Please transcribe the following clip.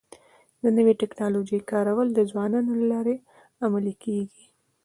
د نوې ټکنالوژۍ کارول د ځوانانو له لارې عملي کيږي.